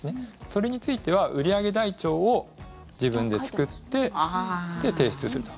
それについては売上台帳を自分で作って提出すると。